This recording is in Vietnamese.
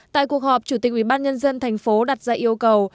tại cuộc họp chủ tịch ubnd tp đặt ra yêu cầu